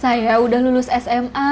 saya udah lulus sma